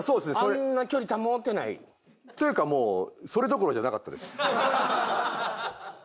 あんな距離保てない。というかもうそれどころじゃなかったです。